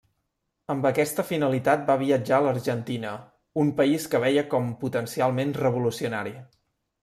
Amb aquesta finalitat va viatjar a l'Argentina, un país que veia com potencialment revolucionari.